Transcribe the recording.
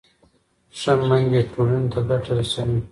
ښه میندې ټولنې ته ګټه رسوي.